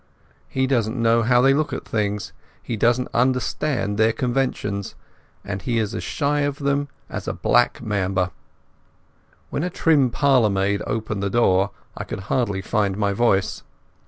He doesn't know how they look at things, he doesn't understand their conventions, and he is as shy of them as of a black mamba. When a trim parlour maid opened the door, I could hardly find my voice.